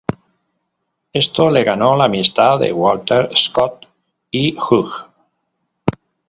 Esto le ganó la amistad de Walter Scott y Hogg.